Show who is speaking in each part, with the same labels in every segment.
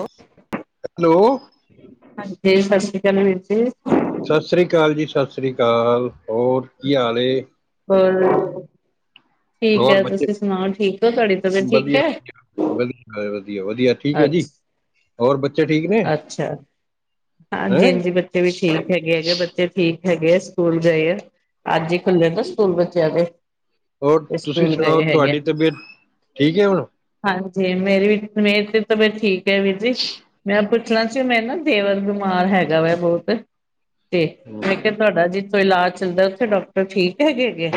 Speaker 1: ਹੋ
Speaker 2: ਹੈਲੋ।
Speaker 1: ਹਾਂਜੀ, ਸਤਿ ਸ਼੍ਰੀ ਅਕਾਲ ਵੀਰ ਜੀ।
Speaker 2: ਸਤਿ ਸ੍ਰੀ ਅਕਾਲ ਜੀ, ਸਤਿ ਸ੍ਰੀ ਅਕਾਲ, ਹੋਰ ਕੀ ਹਾਲ ਏ?
Speaker 1: ਹੋਰ [unintelligible] ਠੀਕ
Speaker 2: ਹੋਰ
Speaker 1: ਹੈ
Speaker 2: ਬੱਚੇ
Speaker 1: ਤੁਸੀਂ ਸੁਣਾਓ ਠੀਕ ਹੋ ਤੁਹਾਡੀ ਤਬੀਅਤ ਠੀਕ
Speaker 2: ਵਧੀਆ
Speaker 1: ਹੈ
Speaker 2: ਵਧੀਆ ਵਧੀਆ ਵਧੀਆ ਵਧੀਆ। ਠੀਕ ਹੈ ਜੀ
Speaker 1: ਅੱਛਾ
Speaker 2: ਹੋਰ ਬੱਚੇ ਠੀਕ ਨੇ?
Speaker 1: ਅੱਛਾ ਹਾਂਜੀ
Speaker 2: ਹੈਂ,
Speaker 1: ਹਾਂਜੀ ਬੱਚੇ ਵੀ ਠੀਕ ਹੈਗੇ ਹੈਗੇ ਬ ਬੱਚੇ ਠੀਕ ਹੈਗੇ ਆ ਸਕੂਲ ਗਏ ਆ ਅੱਜ ਹੀ ਖੁੱਲੇ ਨਾ ਸਕੂਲ ਬੱਚਿਆਂ ਦੇ।
Speaker 2: ਹੋਰ
Speaker 1: ਤੇ
Speaker 2: ਤੁਸੀਂ
Speaker 1: ਸਕੂਲ
Speaker 2: ਸੁਣਾਓ
Speaker 1: ਗਏ ਹੈਗੇ
Speaker 2: ਤੁਹਾਡੀ ਤਬੀਅਤ ਠੀਕ ਹੈ ਹੁਣ?
Speaker 1: ਹਾਂਜੀ ਮੇਰੀ ਵੀ ਮੇਰੇ ਤੇ ਤਬੀਯਤ ਠੀਕ ਹੈ ਵੀਰ ਜੀ ਮੈਂ ਪੁਛਣਾ ਸੀ ਮੈਂ ਨਾ ਦੇਵਰ ਬਿਮਾਰ ਹੈਗਾ ਵਾ ਬਹੁਤ ਤੇ
Speaker 2: ਹਮ,
Speaker 1: ਮੈਂ ਕਿਹਾ ਤੁਹਾਡਾ ਜੇ ਕੋਈ ਇਲਾਜ ਚੱਲਦਾ ਉੱਥੇ ਡਾਕਟਰ ਠੀਕ ਹੈਗੇ-ਹੈਗੇ।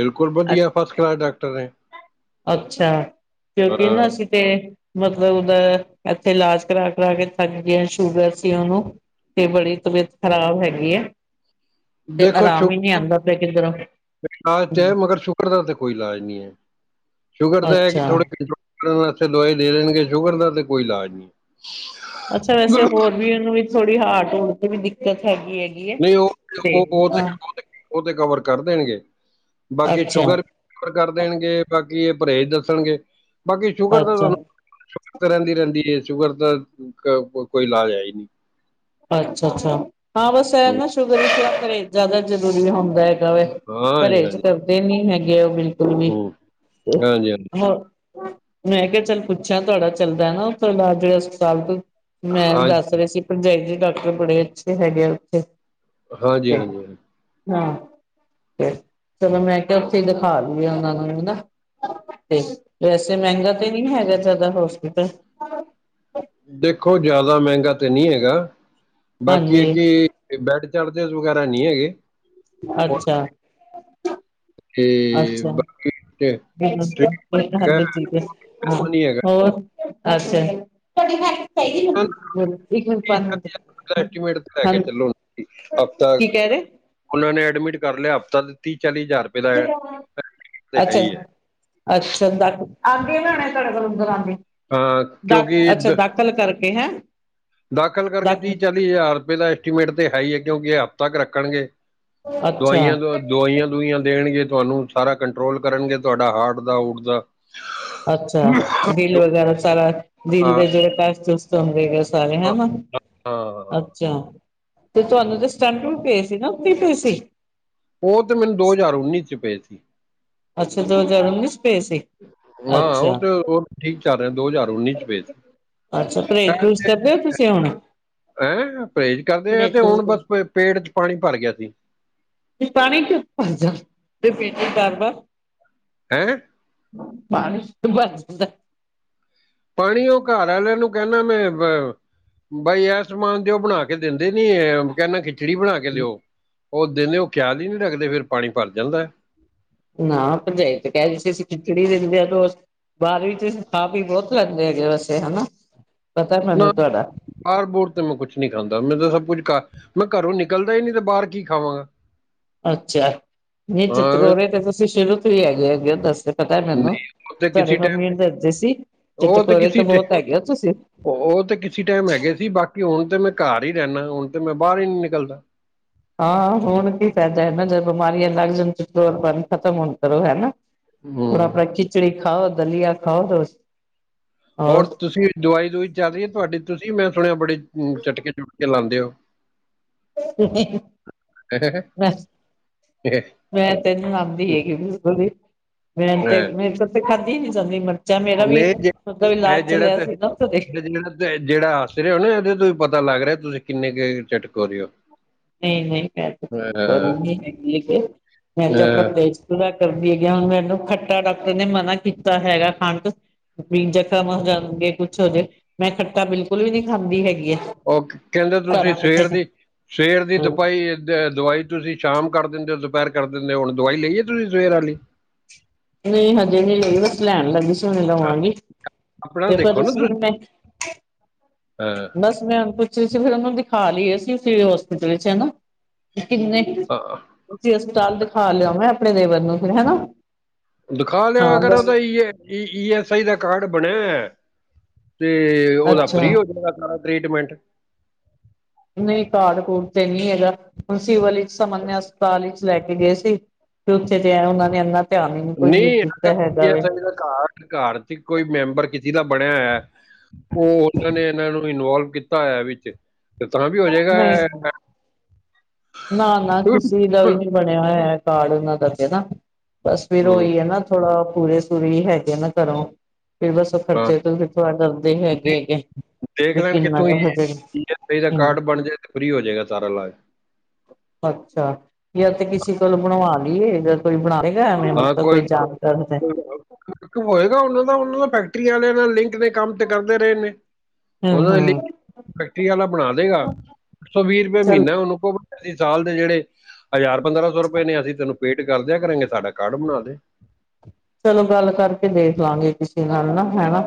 Speaker 2: ਬਿਲਕੁਲ ਵਧੀਆ, ਫਸਟ ਕਲਾਸ ਡਾਕਟਰ ਨੇ,
Speaker 1: ਅ-----ਅੱਛਾ ਕਿਉਂਕਿ ਨਾ
Speaker 2: ਹਾਂ
Speaker 1: ਅਸੀਂ, ਤੇ ਮਤਲਬ ਉਹਦਾ ਇੱਥੇ ਇਲਾਜ ਕਰਾ ਕਰਾ ਕੇ ਥੱਕ ਗਏ ਸ਼ੂਗਰ ਸੀ ਉਹਨੂੰ, ਤੇ ਬੜੀ ਤਬੀਅਤ ਖ਼ਰਾਬ ਹੈਗੀ ਐ। ਤੇ
Speaker 2: ਦੇਖੋ
Speaker 1: ਆਰਾਮ ਹੀ
Speaker 2: ਸ਼ੂਗਰ
Speaker 1: ਨੀ ਆਂਦਾ ਪਿਆ ਕਿਧਰੋਂ ਵੀ।
Speaker 2: ਇਲਾਜ ਤਾਂ ਐ ਮਗਰ ਸ਼ੂਗਰ ਦਾ ਤੇ ਕੋਈ ਇਲਾਜ ਨੀ ਹੈ ਸ਼ੂਗਰ ਦਾ ਹੈ
Speaker 1: ਅੱਛਾ
Speaker 2: ਕਿ ਥੋੜ੍ਹੇ ਕਿ। ਇੱਕ ਟਾਇਮ ਐਥੇ ਦਵਾਈ ਦੇ ਦੇਣਗੇ ਸ਼ੂਗਰ ਦਾ ਤੇ ਕੋਈ ਇਲਾਜ ਨੀ।
Speaker 1: ਅੱਛਾ ਵੈਸੇ ਹੋਰ ਵੀ ਉਹਨੂੰ ਵੀ ਥੋੜੀ ਹਾਰਟ ਹੂਰਟ ਤੇ ਵੀ ਦਿੱਕਤ ਹੈਗੀ ਏ।
Speaker 2: ਨਹੀਂ ਉਹ ਤੇ ਉਹ ਤੇ ਉਹ ਤੇ ਉਹ ਤੇ ਕਵਰ ਕਰ ਦੇਣਗੇ ਬਾਕੀ
Speaker 1: ਅੱਛਾ
Speaker 2: ਸ਼ੂਗਰ ਰੈਫਰ ਕਰ ਦੇਣਗੇ ਬਾਕੀ ਪਰਹੇਜ਼ ਦੱਸਣਗੇ ਬਾਕੀ ਸ਼ੂਗਰ ਦਾ ਤਾਂ
Speaker 1: ਅੱਛਾ
Speaker 2: ਤੁਹਾਨੂੰ ਸ਼ੁਗਰ ਤਾਂ ਰਹਿੰਦੀ ਰਹਿੰਦੀ ਐ ਸ਼ੂਗਰ ਦਾ ਕ ਕੋਈ ਇਲਾਜ ਹੈ ਈ ਨੀ।
Speaker 1: ਅੱਛਾ-ਅੱਛਾ ਹਾਂ ਬਸ ਇਹ ਨਾ ਸ਼ੂਗਰ ਚ ਪਰਹੇਜ ਜ਼ਿਆਦਾ ਜ਼ਰੂਰੀ ਹੁੰਦਾ ਹੈ। ਗਾ ਵੇ
Speaker 2: ਹਾਂਜੀ
Speaker 1: ਪਰਹੇਜ
Speaker 2: ਹਾਂਜੀ
Speaker 1: ਕਰਦੇ ਨੀ ਹੈਗੇ ਉਹ ਬਿਲਕੁਲ ਵੀ।
Speaker 2: ਹਮ ਹਾਂਜੀ ਹਾਂਜੀ
Speaker 1: ਮੈਂ ਕਿਹਾ ਚੱਲ ਪੁੱਛਾਂ ਤੁਹਾਡਾ ਚੱਲਦਾ ਨਾ ਉਥੋਂ ਇਲਾਜ ਜੇੜੇ ਹਸਪਤਾਲ ਤੋਂ, ਮੈਂ
Speaker 2: ਹਾਂ
Speaker 1: ਦੱਸ ਰਹੀ ਸੀ ਭਰਜਾਈ ਦੇ ਡਾਕਟਰ ਬੜੇ ਅੱਛੇ ਹੈਗੇ ਆ ਉੱਥੇ। ਤੇ
Speaker 2: ਹਾਂਜੀ-ਹਾਂਜੀ।
Speaker 1: ਹਾਂ ਤੇ ਚਲੋ ਮੈਂ ਕਿਹਾ ਉੱਥੇ ਦਿਖਾ ਦੀਏ ਉਹਨਾਂ ਨੂੰ ਵੀ ਨਾ। ਤੇ ਵੈਸੇ ਮਹਿੰਗਾ ਤੇ ਨੀ ਹੈਗਾ ਜ਼ਿਆਦਾ ਹੌਸਪਿਟਲ?
Speaker 2: ਦੇਖੋ ਜ਼ਿਆਦਾ ਮਹਿੰਗਾ ਤੇ ਨੀ ਹੈਗਾ ਬਾਕੀ ਇਹ
Speaker 1: ਹਾਂਜੀ
Speaker 2: ਕਿ ਤੇ ਬੈਡ ਚਾਰਜਿਸ ਵਗੈਰਾ ਨੀ ਹੈਗੇ।
Speaker 1: ਅੱਛਾ।
Speaker 2: ਤੇ
Speaker 1: ਅੱਛਾ
Speaker 2: ਬਾਕੀ,
Speaker 1: [unintelligible] ਠੀਕ ਹੈ ਹਾਂ
Speaker 2: ਉਹ ਨਹੀਂ ਹੈਗਾ
Speaker 1: ਹੋਰ ਅੱਛਾ ਜੀ ਤੁਹਾਡੇ ਹੈਗੀ [unintelligible] ਇੱਕ ਮਿੰਟ ਪੰਜ ਮਿੰਟ ਹਾਂ
Speaker 2: ਐਸਟੀਮੇਟ ਤੇ ਲੈ ਕੇ ਚੱਲੋ
Speaker 1: ਹਾਂਜੀ
Speaker 2: ਹਫਤਾ
Speaker 1: ਕੀ ਕਹਿ ਰਹੇ?
Speaker 2: ਉਹਨਾਂ ਨੇ ਐਡਮਿਟ ਕਰ ਲਿਆ ਹਫ਼ਤਾ ਤੇ ਤੀ ਚਾਲੀ ਹਜ਼ਾਰ ਦਾ
Speaker 1: ਇਹ ਡਰੌਗ
Speaker 2: ਤੇ
Speaker 1: ਬਣਾਇਆ
Speaker 2: ਹੈ
Speaker 1: ਅੱਛਾ
Speaker 2: ਹੀ ਹੈ
Speaker 1: ਅੱਛਾ ਡ ਆਗੇ ਲੈਣੇ ਤੁਹਾਡੇ ਕੋਲ ਅੰਦਰ ਆਗੇ
Speaker 2: ਹਾਂ
Speaker 1: ਡ
Speaker 2: ਕਿਉਂਕਿ
Speaker 1: ਅੱਛਾ
Speaker 2: ਦ-
Speaker 1: ਡ ਕਲ ਕਰਕੇ ਹੈਂ।
Speaker 2: ਦਾਖਲ
Speaker 1: ਦਾ
Speaker 2: ਕਰਕੇ ਤੀਹ ਚਾਲੀ ਹਜ਼ਾਰ ਰੁਪਏ ਦਾ ਐਸਟੀਮੇਟ ਤੇ ਹੈ ਈ ਏ ਕਿਉਂਕਿ ਐਹ ਹਫ਼ਤਾ ਏਕ ਰੱਖਣਗੇ।
Speaker 1: ਅੱਛਾ।
Speaker 2: ਦਵਾਈਆਂ-ਦੁਈਆਂ ਦੇਣਗੇ ਤੁਹਾਨੂੰ, ਸਾਰਾ ਕੰਟਰੋਲ ਕਰਨਗੇ ਤੁਹਾਡਾ ਹਾਰਟ ਦਾ ਹਊਟ ਦਾ।
Speaker 1: ਅੱਛਾ, ਬਿੱਲ
Speaker 2: ਜੋ
Speaker 1: ਵਗੈਰਾ ਸਾਰਾ ਬਿੱਲ
Speaker 2: ਹਾਂ
Speaker 1: ਦੇ ਜਿਹੜੇ ਟੈਸਟ ਟੂਸਟ ਚੰਬੇ ਗਏ ਸਾਰੇ
Speaker 2: ਹਾਂ
Speaker 1: ਹੈਨਾ
Speaker 2: ਹਾਂ
Speaker 1: ਅੱਛਾ। ਤੇ ਤੁਹਾਨੂੰ ਤੇ ਸਟੰਟ ਵੀ ਪਏ ਸੀ ਨਾ ਉਤੇ ਪਏ ਸੀ।
Speaker 2: ਉਹ ਤੇ ਮੈਨੂੰ ਦੋ ਹਜ਼ਾਰ ਉੱਨੀ ਚ ਪਏ ਸੀ।
Speaker 1: ਅੱਛਾ ਦੋ ਹਜ਼ਾਰ ਉੱਨੀ ਚ ਪਏ ਸੀ।
Speaker 2: ਹਾਂ, ਉਹ
Speaker 1: ਅੱਛਾ
Speaker 2: ਤੇ ਉਹ ਠੀਕ ਚੱਲ ਰਿਹਾ ਦੋ ਹਜ਼ਾਰ ਉੱਨੀ ਚ ਪਏ ਸੀ।
Speaker 1: ਅੱਛਾ ਪਰੇਜ ਪਰੂਜ ਕਰਦੇ ਹੋ ਤੁਸੀਂ ਹੁਣ?
Speaker 2: ਹੈਂ ਪਰਹੇਜ਼ ਕਰਦੇ ਆ
Speaker 1: ਪਰਹੇਜ਼
Speaker 2: ਤੇ ਹੁਣ ਬਸ
Speaker 1: ਪਰੂਜ
Speaker 2: ਪੇਟ ਚ ਪਾਣੀ ਭਰ ਗਿਆ ਸੀ।
Speaker 1: ਪਾਣੀ [unintelligible]
Speaker 2: [unintelligible]
Speaker 1: [unintelligible]
Speaker 2: ਪਾਣੀ ਉਹ ਘਰ ਆਲਿਆਂ ਨੂੰ ਕਹਿੰਨਾ ਮੈਂ ਵ ਬਾਈ ਆਹ ਸਮਾਨ ਦੇ ਉਹ ਬਣਾ ਕੇ ਦੇਂਦੇ ਨੀ ਇਹ ਕਹਿੰਨਾ ਖਿੱਚ ਖਿਚੜੀ ਬਣਾ ਕੇ ਦਿਓ ਉਹ ਦਿਲੋ ਖਿਆਲ ਹੀ ਨਹੀਂ ਰਖਦੇ ਫਿਰ ਪਾਣੀ ਭਰ ਜਾਂਦਾ।
Speaker 1: ਨਾ, ਭਰਜਾਈ ਤੇ ਕਹਿ ਰਹੀ ਸੀ ਅਸੀਂ ਖਿਚੜੀ ਦਿੰਦੇ ਆਂ ਰੋਜ਼। ਬਾਅਦ ਵਿੱਚ ਖਾ ਪੀ ਬਹੁਤ ਲੈਂਦੇ ਹੈਗੇ ਵੈਸੇ ਹਨਾ ਪਤਾ
Speaker 2: ਨਾ
Speaker 1: ਮੈਨੂੰ ਤੁਹਾਡਾ
Speaker 2: ਆਹ ਰਿਪੋਰਟ ਤੇ ਮੈਂ ਕੁਛ ਨਹੀਂ ਖਾਂਦਾ ਮੈਂ ਤਾਂ ਸਭ ਕੁੱਝ ਘਰ ਮੈਂ ਘਰੋਂ ਨਿਕਲਦਾ ਹੀ ਨਹੀਂ ਤੇ ਬਾਹਰ ਕੀ ਖਾਵਾਂਗਾ?
Speaker 1: ਅੱਛਾ ਨੀ
Speaker 2: ਹਾਂ
Speaker 1: ਚਿਤਕੋਰੇ ਤੇ ਤੁਸੀਂ ਸ਼ੁਰੂ ਤੋਂ ਹੀ ਹੈਗੇ ਹੈਗੇ ਹੋ ਦੱਸ ਪਤਾ ਏ ਮੈਨੂੰ
Speaker 2: ਨਹੀਂ ਉਹ ਤੇ
Speaker 1: ਤੁਹਾਡੇ
Speaker 2: ਕਿਸੇ
Speaker 1: ਮੰਮੀ ਨੂੰ ਦੱਸਦੇ ਸੀ,
Speaker 2: ਟਾਈਮ
Speaker 1: ਜੇ
Speaker 2: ਉਹ ਤੇ
Speaker 1: ਚਟਕੋਰੇ
Speaker 2: ਕਿਸੇ
Speaker 1: ਤਾਂ
Speaker 2: ਟ
Speaker 1: ਬਹੁਤ ਹੈਗੇ ਹੋ ਤੁਸੀਂ।
Speaker 2: ਉਹ ਤਾਂ ਕਿਸੇ ਟਾਈਮ ਹੈਗੇ ਸੀ, ਬਾਕੀ ਹੁਣ ਤੇ ਮੈਂ ਘਰ ਹੀ ਰਹਿੰਦਾ, ਹੁਣ ਤੇ ਮੈਂ ਬਾਹਰ ਹੀ ਨੀ ਨਿਕਲਦਾ।
Speaker 1: ਹਾਂ ਹੁਣ ਕੀ ਫਾਇਦਾ ਏ ਨਾ ਜੇ ਬਿਮਾਰੀਆਂ ਲੱਗ ਜਾਣ ਤੇ ਖਤਮ ਹੋਣ ਕਰੋ ਹੈਨਾ। ਹੁਣ
Speaker 2: ਹੂੰ
Speaker 1: ਆਪਣਾ ਖਿਚੜੀ ਖਾਓ, ਦਲੀਆ ਖਾਓ ਰੋਜ
Speaker 2: ਹੋਰ ਤੁਸੀਂ ਦਵਾਈ -ਦੁਵਾਈ ਚੱਲ ਰਹੀ ਆ ਤੁਹਾਡੀ, ਤੁਸੀਂ ਮੈਂ ਸੁਣਿਆ ਬੜੇ ਚਟਕੇ-ਚੁਟਕੇ ਲਾਂਦੇ ਓ।
Speaker 1: ਹੀਂ-ਹੀਂ ਬਸ। ਮੈਂ ਤੈਨੀ ਲਾਉਦੀ ਹੈਗੀ ਬਿਲਕੁਲ ਵੀ। ਮੈਂ ਤੇ ਮੇ ਤੇ ਤੇ ਖਾਂਦੀ ਨੀ ਜਾਂਦੀ ਮਿਰਚਾਂ ਮੇਰਾ ਵੀ
Speaker 2: ਨਹੀਂ
Speaker 1: ਦਾ ਵੀ
Speaker 2: ਜਿਹੜਾ
Speaker 1: ਇਲਾਜ
Speaker 2: ਜਿਹੜਾ
Speaker 1: ਚੱਲਿਆ
Speaker 2: ਤੇ
Speaker 1: ਸੀ ਉਥੋਂ ਦੀ
Speaker 2: ਇਹ ਜਿਹੜਾ ਤੇ ਜਿਹੜਾ ਹੱਸ ਰਹੇ ਹੋ ਨਾ ਇਹਦੇ ਤੋਂ ਹੀ ਪਤਾ ਲੱਗ ਰਿਹਾ ਤੁਸੀਂ ਕਿੰਨੇ ਕੁ ਚਟਕੋਰੇ ਹੋ।
Speaker 1: ਨਹੀਂ ਨਹੀਂ ਮੈਂ ਨੀ ਹੈਗੀ ਮੈਂ ਤੇ ਆਪਣਾ ਪਰਹੇਜ ਪੂਰਾ ਕਰਦੀ ਹੈਗੀ ਹੁਣ ਮੈਨੂੰ ਖੱਟਾ ਡਾਕਟਰ ਨੇ ਮਨਾ ਕੀਤਾ ਹੈਗਾ ਖਾਣ ਤੋਂ। ਬੀ ਜ਼ਖ਼ਮ ਹੋ ਜਾਣਗੇ ਕੁੱਛ ਹੋ ਜਾਵੇ ਮੈਂ ਖੱਟਾ ਬਿਲਕੁਲ ਵੀ ਨਹੀਂ ਖਾਂਦੀ ਹੈਗੀ ਆ।
Speaker 2: ਉਹ ਕਹਿੰਦੇ ਤੁਸੀਂ
Speaker 1: ਸਾਰਾ ਮਿੱਠੇ
Speaker 2: ਸਵੇਰ ਦੀ ਸਵੇਰ ਦੀ
Speaker 1: ਹੂੰ
Speaker 2: ਦੁਪਾਈ ਏ। ਦਵਾਈ ਤੁਸੀਂ ਸ਼ਾਮ ਕਰ ਦਿੰਦੇ ਹੋ, ਦੁਪਹਿਰ ਕਰ ਦਿੰਦੇ ਹੋ, ਹੁਣ ਦਵਾਈ ਲਈ ਏ ਤੁਸੀਂ ਸਵੇਰ ਵਾਲੀ।
Speaker 1: ਨਹੀਂ ਹਜੇ ਨਹੀਂ ਲਈ ਬਸ ਲੈਣ ਲੱਗੀ ਸੀ। ਹੁਣ ਲਵਾਂਗੀ
Speaker 2: ਆਪਣਾ
Speaker 1: ਪੇ ਫਿਰ
Speaker 2: ਦੇਖੋ ਨਾ
Speaker 1: ਉਸ ਦਿਨ
Speaker 2: ਤੁਸੀਂ
Speaker 1: ਮੈਂ। ਬਸ ਮੈਂ ਹੁਣ ਪੁੱਛ ਤੁਸੀਂ ਫਿਰ ਉਹਨੂੰ ਦਿਖਾ ਲਈਏ ਅਸੀਂ ਫੇਰ ਹੋਸਪਿਟਲ ਵਿੱਚ ਹੈਨਾ ਕਿੰਨੇ ਤੁਸੀਂ ਹਸਪਤਾਲ ਦਿਖਾ ਲਓ ਨਾ ਆਪਣੇ ਦੇਵਰ ਨੂੰ ਫਿਰ ਹੈਨਾ।
Speaker 2: ਦਿਖਾ ਲਿਆਂ ਅਗਰ ਉਹਦਾ ਈ E S I the card ਬਣਿਆ ਐ। ਤੇ ਉਹਦਾ
Speaker 1: ਅੱਛਾ
Speaker 2: ਫਰੀ ਹੋ ਜਾਣਾ ਸਾਰਾ ਟਰੀਟਮੈਂਟ।
Speaker 1: ਨਹੀਂ ਕਾਰਡ-ਕੂਡ ਤੇ ਨਹੀਂ ਹੈਗਾ, ਹੁਣ ਸਿਵਲ ਵਿੱਚ ਸਮਾਨਯਾ ਹਸਪਤਾਲ ਵਿੱਚ ਲੈ ਕੇ ਗਏ ਸੀ। ਫੇਰ ਉੱਥੇ ਤੇ ਉਹਨਾ ਨੇ ਇੰਨਾ ਧਿਆਨ ਹੀ ਨੀ ਕੋਈ ਦਿੱਤਾ ਹੈਗਾ ਵੇ।
Speaker 2: ਘਰ-ਘਰ ਚ ਕੋਈ ਮੈਂਬਰ ਜਿਹਦਾ ਬਣਿਆ ਹੋਇਆ ਐ। ਉਹ ਉਹਨਾਂ ਨੇ ਇਹਨਾਂ ਨੂੰ ਇਨਵੋਲਵ ਕੀਤਾ ਹੋਇਆ ਵਿੱਚ। ਤੇ ਤਾਂ ਵੀ ਹੋ ਜਾਏਗਾ
Speaker 1: ਨਹੀਂ ਨਾ-ਨਾ ਕਿਸੇ ਦਾ ਵੀ ਬਣਿਆ ਹੋਇਆ ਕਾਰਡ ਉਹਨਾਂ ਦਾ ਤੇ ਨਾ ਬਸ ਫਿਰ ਉਹੀ ਏ ਨਾ ਥੋੜਾ ਪੂਰੇ-ਸੂਰੇ ਹੈਗੇ ਆ ਨਾ ਘਰੋਂ ਫੇਰ ਬਸ ਖਰਚੇ ਤੋਂ ਵੀ ਥੋਣਾ ਡਰਦੇ ਹੈਗੇ ਹੈਗੇ ਵੀ ਕਿੰਨਾ ਕੁ ਹੋ ਜਾਏਗਾ?
Speaker 2: ਤੇ ਇਹਦਾ ਕਾਰਡ ਬਣ ਜਾਏ ਤਾਂ ਫ੍ਰਰੀ ਹੋ ਜਾਏਗਾ ਸਾਰਾ ਇਲਾਜ।
Speaker 1: ਅੱਛਾ, ਜਾਂ ਤੇ ਕਿਸੇ ਕੋਲ ਬਣਵਾ ਲਈਏ ਜਾਂ? ਕੋਈ ਬਣਾਏਗਾ ਐਵੇਂ ਮਤਲਬ ਕੋਈ ਜਾਣਕਾਰ ਤੇ?
Speaker 2: ਹੋਏਗਾ ਉਹਨਾਂ ਦਾ - ਉਹਨਾਂ ਦਾ ਫੈਕਟਰੀ ਵਾਲਿਆਂ ਨਾਲ ਲਿੰਕ ਨੇ ਕੰਮ ਤੇ ਕਰਦੇ ਰਹੇ ਨੇ।
Speaker 1: ਹਮ
Speaker 2: ਉਹ
Speaker 1: ਹਮ
Speaker 2: ਫੈਕਟਰੀ ਵਾਲਾ ਬਣਾ ਦੇਗਾ ਅੱਠ ਸੌ ਵੀਹ ਰੁਪਏ
Speaker 1: ਚੱਲ
Speaker 2: ਮਹੀਨਾ ਉਹਨੂੰ ਕੋ ਅਸੀਂ ਸਾਲ ਦੇ ਜਿਹੜੇ ਹਜ਼ਾਰ ਪੰਦਰਾਂ ਸੌ ਰੁਪਏ ਨੇ ਅਸੀਂ ਤੈਨੂੰ ਪੇਡ ਕਰਦਿਆਂ ਕਰਾਂਗੇ ਸਾਡਾ ਕਾਰਡ ਬਣਾ ਦੇ
Speaker 1: ਚਲੋ ਗੱਲ ਕਰਕੇ ਦੇਖ ਲਾਂਗੇ ਕਿਸੇ ਨਾਲ ਨਾ ਹਨ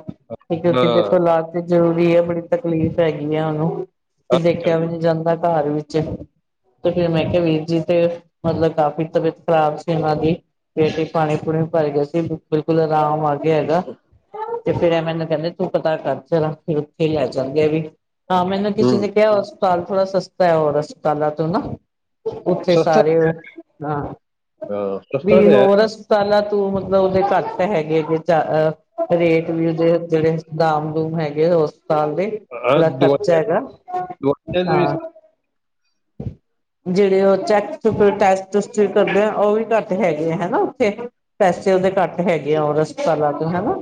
Speaker 2: ਹਾਂ
Speaker 1: ਕਿਉਂਕਿ ਦੇਖੋ ਲਾ ਜੋਰ ਵੀ ਹੈ ਬੜੀ ਤਕਲੀਫ਼ ਹੈਗੀ ਆ ਉਹਨੂੰ ਤੇ ਦੇਖਿਆ ਵੀ
Speaker 2: ਹਾਂਜੀ
Speaker 1: ਨਹੀਂ ਜਾਂਦਾ ਘਰ ਵਿੱਚ। ਤੇ ਫਿਰ ਮੈਂ ਕਿਹਾ ਵੀਰ ਜੀ ਤੇ ਮਤਲਬ ਕਾਫ਼ੀ ਤਬੀਅਤ ਖ਼ਰਾਬ ਸੀ ਉਹਨਾਂ ਦੀ। ਪੇਟ ਚ ਪਾਣੀ-ਪੂਣੀ ਭਰ ਗਿਆ ਸੀ ਬਿਲਕੁਲ ਆਰਾਮ ਆ ਗਿਆ ਹੈਗਾ। ਤੇ ਫੇਿਰ ਇਹ ਮੈਨੂੰ ਕਹਿੰਦੇ ਤੂੰ ਪਤਾ ਕਰ ਜਰਾ, ਉੱਥੇ ਲੈ ਜਾਂਦੇ ਆ ਵੀ ਹਾਂ ਮੈਨੂੰ
Speaker 2: ਹੂੰ
Speaker 1: ਕਿਸੇ ਨੇ ਕਿਹਾ ਪਰ ਥੋੜਾ ਸਸਤਾ ਐ ਹੋਰ ਹਸਪਤਾਲਾ ਤੋਂ ਨਾ। ਉੱਥੇ
Speaker 2: ਸਸਤਾ
Speaker 1: ਸਾਰੇ ਹਾਂ,
Speaker 2: ਹਾਂ, ਸਸਤਾ
Speaker 1: ਵੀ
Speaker 2: ਤੇ ਹੈ
Speaker 1: ਹੋਰ ਹਸਪਤਾਲਾਂ ਓ ਮਤਲਬ ਉਹਦੇ ਘੱਟ ਹੈਗੇ ਰੇਟ ਵੀ ਉਹਦੇ ਜਿਹੜੇ ਦਾਮ-ਦੂਮ ਹੈਗੇ ਉਸ ਹਸਪਤਾਲ ਦੇ
Speaker 2: ਹਾਂ
Speaker 1: ਜਿਹੜਾ ਖ਼ਰਚਾ
Speaker 2: ਦਵਾਈਆਂ
Speaker 1: ਹੈਗਾ,
Speaker 2: ਦਵਾਈਆਂ ਵੀ
Speaker 1: ਹਾਂ
Speaker 2: [inaudible]
Speaker 1: ਜਿਹੜੇ ਉਹ ਚੈੱਕ ਚੱਕ ਟੈਸ ਤੁਸਤ ਕਰਦੇ ਆ ਉਹ ਵੀ ਘੱਟ ਹੈਗੇ ਆ ਹਨਾ ਉੱਥੇ ਪੈਸੇ ਉਹਦੇ ਘੱਟ ਹੈਗੇ ਆ ਉਹ ਰਸਪਾਲਾ ਤੋਂ ਹਨਾ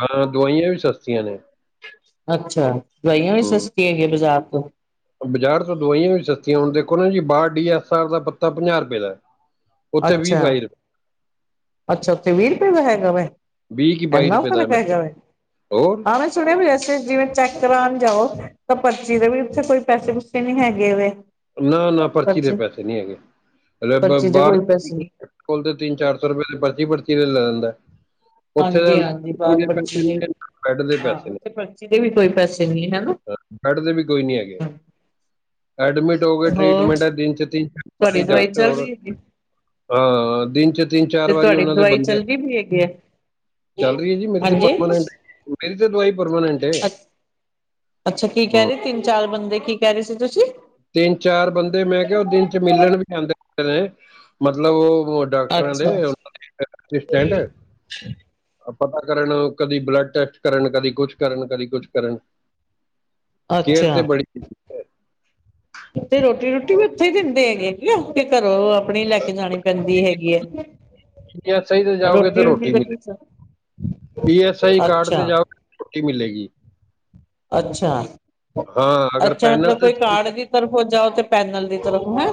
Speaker 2: ਹਾਂ ਦਵਾਈਆਂ ਵੀ ਸਸਤੀਆਂ ਨੇ
Speaker 1: ਅੱਛਾ ਦਵਾਈਆਂ ਵੀ
Speaker 2: ਹੂੰ
Speaker 1: ਸਸਤੀਆਂ ਹੈਗੀਆਂ ਬਾਜ਼ਾਰ ਤੋਂ
Speaker 2: ਬਾਜ਼ਾਰ ਤੋਂ ਦਵਾਈਆਂ ਵੀ ਸਸਤੀਆਂ ਹੁਣ ਦੇਖੋ ਨਾ ਜੀ ਬਾਹਰ ਡੀ ਐਸ ਆਰ ਦਾ ਪੱਤਾ ਪੰਜਾਹ ਰੁਪਏ ਦਾ ਉੱਥੇ ਵੀ
Speaker 1: ਅੱਛਾ
Speaker 2: ਬਹਿ
Speaker 1: ਅੱਛਾ ਉੱਥੇ ਵੀਹ ਰੁਪਏ ਦਾ ਹੈਗਾ ਵ
Speaker 2: ਰੁਪਏ ਕੀ
Speaker 1: ਇੰਨਾ
Speaker 2: ਰੁਪਏ ਦਾ ਹੈ
Speaker 1: ਫਰਕ
Speaker 2: ਮੇਰੇ
Speaker 1: ਹੈਗਾ
Speaker 2: ਕੋਲ। ਹੋਰ
Speaker 1: ਵ ਸੁਣਿਆ ਹੋਆ ਜਿਵੇਂ ਚੈੱਕ ਕਰਾਉਣ ਜਾਓ ਤਾਂ ਪਰਚੀ ਦੇ ਵੀ ਉੱਥੇ ਕੋਈ ਪੈਸੇ ਪੂਸੇ ਨੀ ਹੈਗੇ
Speaker 2: ਨਾ ਨਾ ਪਰਚੀ ਦੇ ਪੈਸੇ ਨਹੀਂ ਹੈਗੇ
Speaker 1: ਪਰਚੀ ਦੇ
Speaker 2: ਬਾਹਰ
Speaker 1: ਕੋਈ ਪੈਸੇ ਨੀ
Speaker 2: ਕੋਲ ਤੇ ਤਿੰਨ ਚਾਰ ਸੌ ਰੁਪਏ ਦੀ ਪਰਚੀ ਪਰਚੀ ਤੇ ਲੈ ਲੈਂਦਾ ਉੱਥੇ ਦਾ
Speaker 1: ਹਾਂਜੀ ਹਾਂਜੀ ਬਾਲ
Speaker 2: ਦੇ ਪੈਸੇ
Speaker 1: ਪਰਚੀ ਦੇ
Speaker 2: ਨੇ ਬੈੱਡ ਦੇ
Speaker 1: ਹਾਂ
Speaker 2: ਪੈਸੇ
Speaker 1: ਉੱਥੇ ਪਰਚੀ ਦੇ ਵੀ ਕੋਈ ਪੈਸੇ ਨਹੀਂ ਹਨਾ।
Speaker 2: ਬੈਡ ਦੇ ਵੀ ਕੋਈ ਨੀ ਹੈਗੇ ਐਡਮਿਟ ਦੋ ਗਏ
Speaker 1: ਹੋਰ
Speaker 2: ਟ੍ਰੀਟਮੈਂਟ ਹੈ ਦਿਨ ਚ ਤਿੰਨ ਚਾਰ
Speaker 1: ਤੁਹਾਡੀ
Speaker 2: ਵਾਰੀ
Speaker 1: ਦਵਾਈ
Speaker 2: ਡਾਕਟਰ
Speaker 1: ਚੱਲ
Speaker 2: ਹੋਰ
Speaker 1: ਰਹੀ ਹੈਗੀ
Speaker 2: ਹਾਂ ਦਿਨ ਚ ਤਿੰਨ ਚਾਰ
Speaker 1: ਤੇ
Speaker 2: ਵਾਰੀ
Speaker 1: ਤੁਹਾਡੀ
Speaker 2: ਉਹਨਾਂ ਦੇ
Speaker 1: ਦਵਾਈ
Speaker 2: ਬੰਦੇ
Speaker 1: ਚੱਲਦੀ ਵੀ ਹੈਗੀ ਹੈ
Speaker 2: ਚੱਲ ਰਹੀ ਹੈ ਜੀ ਮੇਰੀ ਤੇ
Speaker 1: ਹਾਂਜੀ
Speaker 2: ਪਰਮਾਨੈਂਟ ਮੇਰੀ ਤਾਂ ਦਵਾਈ ਪਰਮਾਨੈਂਟ ਹੈ
Speaker 1: ਅ ਅੱਛਾ ਕੀ ਕਹਿ
Speaker 2: ਹੂੰ।
Speaker 1: ਰਹੀ ਤਿੰਨ ਚਾਰ ਬੰਦੇ ਕੀ ਕਹਿ ਰਹੇ ਸੀ ਤੁਸੀਂ
Speaker 2: ਤਿੰਨ ਚਾਰ ਬੰਦੇ ਮੈਂ ਕਿਹਾ ਉਹ ਦਿਨ ਚ ਮਿਲਣ ਵੀ ਆਉਂਦੇ ਨੇ ਮਤਲਬ ਉਹ ਡਾਕਟਰਾਂ ਦੇ
Speaker 1: ਅੱਛਾ
Speaker 2: ਅਸਿਸਟੈਂਟ ਪਤਾ ਕਰਨ ਕਦੀ ਬਲੱਡ ਟੈਸਟ ਕਰਨ ਕਦੀ ਕੁਛ ਕਰਨ ਕਦੀ ਕੁਛ ਕਰਨ ਕੇਰ
Speaker 1: ਅੱਛਾ
Speaker 2: ਤੇ ਬੜੀ
Speaker 1: ਤੇ ਰੋਟੀ ਰੂਟੀ ਵੀ ਉੱਥੇ ਹੀ ਦਿੰਦੇ ਹੈਗੇ ਹਨ ਨਾ ਘਰੋਂ ਆਪਣੀ ਲੈ ਕੇ ਜਾਣੀ ਪੈਂਦੀ ਹੈਗੀ ਹੈ ਰੋਟੀ ਰਟੀ
Speaker 2: ਪੀ ਐੱਸ ਆਈ ਕਾਰਡ ਤੇ ਜਾ ਛੋਟੀ ਮਿਲੇਗੀ
Speaker 1: ਅੱਛਾ
Speaker 2: ਹਾਂ ਅਗਰ
Speaker 1: ਅੱਛਾ
Speaker 2: ਪੈਨਲ
Speaker 1: ਮਤਲਬ
Speaker 2: ਦੇ
Speaker 1: ਕੋਈ
Speaker 2: ਥਰੂ
Speaker 1: ਕਾਰਡ ਦੀ ਤਰਫੋਂ ਜਾਓ ਤੇ ਪੈਨਲ ਦੀ ਤਰਫ ਹੈ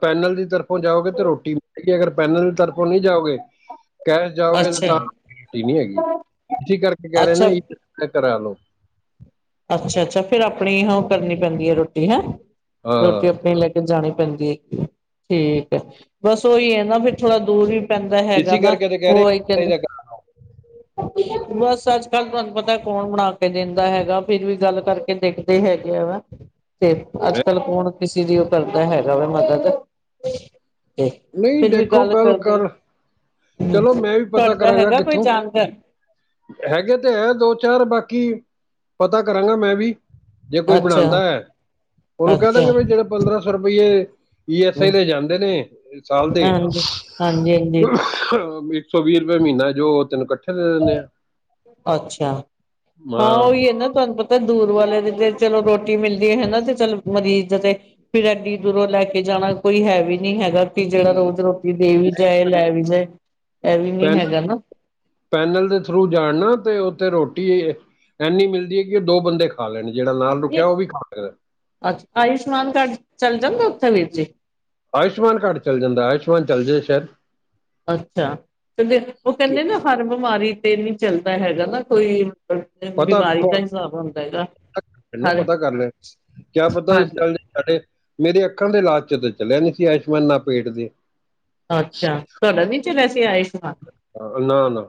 Speaker 2: ਪੈਨਲ ਦੀ ਤਰਫੋਂ ਜਾਓਗੇ ਤੇ ਰੋਟੀ ਮਲੇਗੀ ਅਗਰ ਪੈਨਲ ਦੀ ਤਰਫੋਂ ਨਹੀਂ ਜਾਓਗੇ ਕਹਿ ਜਾਓਗੇ
Speaker 1: ਅੱਛਾ,
Speaker 2: ਤਾਂਟੀ ਨਹੀਂ ਹੈਗੀ ਇਸ ਕਰਕੇ ਕਹਿ ਰਹੇ
Speaker 1: ਅੱਛਾ,
Speaker 2: ਨਾ ਘਰਾਂ ਲਓ
Speaker 1: ਅੱਛਾ ਅੱਛਾ ਫੇਰ ਆਪਣੀ ਉਹ ਕਰਨੀ ਪੈਂਦੀ ਹੈ ਰੋਟੀ ਹੈਂ ਰੋਟੀ
Speaker 2: ਹਾਂ
Speaker 1: ਆਪਣੀ ਲ ਜਾਣੀ ਪੈਂਦੀ ਹੈ ਠੀਕ ਹੈ ਬਸ ਉਹੀ ਹੈ ਨਾ ਫੇਰ ਥੋੜਾ ਦੂਰ ਹੀ ਪੈਂਦਾ ਹੈਗਾ
Speaker 2: ਇਸੇ
Speaker 1: ਨਾ
Speaker 2: ਕਰਕੇ ਤੇ ਕਹਿ
Speaker 1: ਉਹ
Speaker 2: ਰਹੇ ਪੀਐਸਆਈ
Speaker 1: ਕਹਿੰਦੇ
Speaker 2: ਦਾ
Speaker 1: ਬਸ ਅੱਜ ਕੱਲ ਤੁਹਾਨੂੰ ਪਤਾ ਕੌਣ ਬਣਾ ਕੇ ਦੇਣ ਦੇਂਦਾ ਹੈਗਾ ਫਿਰ ਵੀ ਗੱਲ ਕਰਕੇ ਦੇਖਦੇ ਹੈਗੇ ਆ ਵਾ ਤੇ
Speaker 2: ਕੰਮ
Speaker 1: ਅੱਜ
Speaker 2: ਹੈ।
Speaker 1: ਕੱਲ ਕੌਣ ਕਿਸੇ ਦੀ ਉਹ ਕਰਦਾ ਹੈਗਾ ਵਾ ਮਦਦ ਤੇ
Speaker 2: ਨਹੀਂ
Speaker 1: ਫਿਰ ਵੀ
Speaker 2: ਦੇਖੋ
Speaker 1: ਗੱਲ ਕਰਦੇ
Speaker 2: ਕਰ ਚਲੋ ਮੈਂ ਵੀ ਪਤਾ
Speaker 1: ਤੁਹਾਡਾ
Speaker 2: ਕਰਾਂਗਾ
Speaker 1: ਹੈਗਾ ਕੋਈ
Speaker 2: ਕਿੱਥੋਂ
Speaker 1: ਜਾਣਕਾਰ
Speaker 2: ਹੈਗੇ ਤੇ ਹੈ ਦੋ ਚਾਰ ਬਾਕੀ ਪਤਾ ਕਰਾਂਗਾ ਮੈਂ ਵੀ ਜੇ ਕੋਈ
Speaker 1: ਅੱਛਾ,
Speaker 2: ਬਣਾਉਂਦਾ ਹੈ ਉਹਨੂੰ ਕਹਿ
Speaker 1: ਅੱਛਾ,
Speaker 2: ਦਾਂਗੇ ਵੀ ਜਿਹੜੇ ਪੰਦਰਾਂ ਸੌ ਰੁਪਈਏ ਈ ਐਸ
Speaker 1: ਹਾਂਜੀ,
Speaker 2: ਆਈ ਤੇ ਜਾਂਦੇ ਨੇ ਸਾਲ ਦੇ
Speaker 1: ਹਾਂਜੀ, ਹਾਂਜੀ।
Speaker 2: ਇੱਕ ਸੌ ਵੀਹ ਰੁਪਏ ਮਹੀਨਾ ਜੋ ਤਿਨ ਇਕੱਠੇ ਦੇ ਦਿੰਦੇ ਆ
Speaker 1: ਅੱਛਾ ਹਾਂ ਉਹੀ ਹੈ ਨਾ ਤੁਹਾਨੂੰ ਪੱਤਾ ਤੰਦੂਰ ਵਾਲੇ ਦੀ ਤੇ ਚਲੋ ਰੋਟੀ ਮਿਲਦੀ ਹੈ ਨਾ ਤੇ ਚੱਲ ਮਰੀਜ਼ ਤੇ ਫਿਰ ਐਡੀ ਦੂਰੋਂ ਲੈ ਕੇ ਜਾਣਾ ਕੋਈ ਹੈ ਵੀ ਨਹੀਂ ਹੈਗਾ ਜਿਹੜਾ ਰੋਜ਼ ਰੋਟੀ ਦੇ ਵੀ ਜਾਏ ਲੈ ਵੀ ਜਾਏ ਇਹ ਵੀ ਨੀ
Speaker 2: ਪੈਨ
Speaker 1: ਹੈਗਾ ਨਾ
Speaker 2: ਪੈਨਲ ਦੇ ਥਰੂ ਜਾਣਨਾ ਤੇ ਉੱਥੇ ਰੋਟੀ ਇੰਨੀ ਮਿਲਦੀ ਹੈ ਕਿ ਉਹ ਦੋ ਬੰਦੇ ਖਾ ਲੈਣ ਜਿਹੜਾ ਨਾਲ ਰੁਕਿਆ ਉਹ ਵੀ ਖਾ ਸਕਦਾ
Speaker 1: ਅੱਛਾ ਆਯੁਸ਼ਮਾਨ ਕਾਰਡ ਚੱਲ ਜਾਂਦਾ ਉੱਥੇ ਵੀਰ ਹੀ
Speaker 2: ਆਯੁਸ਼ਮਾਨ ਕਾਰਡ ਚੱਲ ਜਾਂਦਾ ਆਯੁਸ਼ਮਾਨ ਚੱਲ ਜਾਏ ਸ਼ਾਇਰ
Speaker 1: ਅੱਛਾ ਕਹਿੰਦੇ ਉਹ
Speaker 2: ਕਿ-
Speaker 1: ਕਹਿੰਦੇ ਨਾ ਹਰ ਬਿਮਾਰੀ ਤੇ ਨਹੀਂ ਚੱਲਦਾ ਹੈਗਾ ਨਾ ਕੋਈ
Speaker 2: ਪਤਾ
Speaker 1: ਬਿਮਾਰੀ ਦਾ
Speaker 2: ਪ-
Speaker 1: ਹੀ ਹਿਸਾਬ ਹੁੰਦਾ ਹੈਗਾ
Speaker 2: ਨਾ ਪਤਾ ਕਰ ਲੈ ਕਿਆ ਪਤਾ
Speaker 1: ਹਾਂਜੀ
Speaker 2: ਚੱਲ ਸਾਡੇ ਮੇਰੇ ਅੱਖਾਂ ਦੇ ਇਲਾਜ ਚ ਤਾਂ ਚਲਿਆ ਨੀ ਸੀ ਆਯੁਸ਼ਮਾਨ ਨਾ ਪੇਟ ਦੇ
Speaker 1: ਅੱਛਾ ਤੁਹਾੱਡਾ ਨੀ ਚਲਿਆ ਸੀ ਆਯੁਸ਼ਮਾਨ
Speaker 2: ਨਾ ਨਾ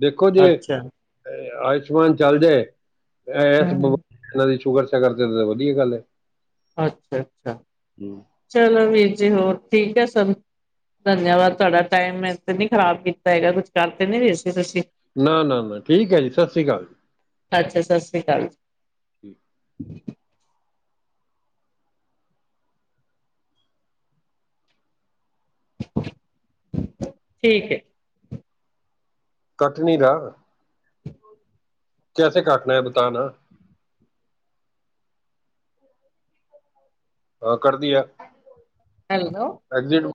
Speaker 2: ਦੇਖੋ ਜੇ
Speaker 1: ਅੱਛਾ
Speaker 2: ਆਯੁਸ਼ਮਾਨ ਚੱਲ ਜਾਏ ਇਸ
Speaker 1: ਹਮ ਹਮ
Speaker 2: ਬਿਮਾਰੀ ਦੀ ਸ਼ੁਗਰ ਸ਼ਾਗਰ ਤੇ ਵਧੀਆ ਗੱਲ ਹੈ
Speaker 1: ਅੱਛਾ ਅੱਛਾ ਚਲੋ ਵੀਰ ਜੇ ਹੋਰ ਠੀਕ ਹੈ ਸੱਬ ਧੰਨਵਾਦ ਤੁਹਾਡਾ ਟਾਈਮ ਤੇ ਨੀ ਖ਼ਰਾਬ ਕੀਤਾ ਹੈਗਾ ਕੁੱਛ ਕਰਕੇ ਨਹੀਂ ਰਹੇ ਸੀ ਤੁਸੀਂ
Speaker 2: ਨਾ ਨਾ ਨਾ ਠੀਕ ਹੈ ਜੀ ਸਤਿ ਸ਼੍ਰੀ ਅਕਾਲ ਜੀ
Speaker 1: ਅੱਛਾ ਸਤਿ ਸ਼੍ਰੀ ਅਕਾਲੀ
Speaker 2: ਠੀਕ
Speaker 1: ਹ [unintelligible] ਠੀਕ
Speaker 2: ਕੱਟ ਨਹੀਂ ਰਿਹਾ ਕੈਸੇ ਕਾਟਣਾ ਹੈ ਬੱਤਾ ਨਾਂ ਆਹ ਕਰਦੀ ਆ
Speaker 1: ਹੈਲੋ
Speaker 2: ਐਗਜਿਟ